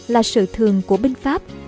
là sự thường của binh pháp